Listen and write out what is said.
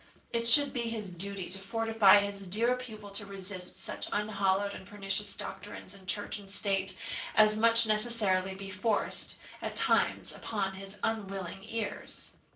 It should be his duty to fortify his dear pupil to resist such unhallowed and pernicious doctrines in church and state as must necessarily be forced at times upon his unwilling ears.